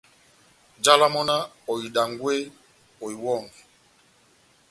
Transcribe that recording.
Njálá mɔ́ náh :« Ohidangwe, ohiwɔnge !»